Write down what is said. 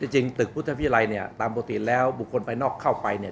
จริงตึกพุทธพิรัยเนี่ยตามปกติแล้วบุคคลภายนอกเข้าไปเนี่ย